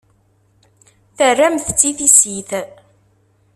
Terramt-tt i tissit.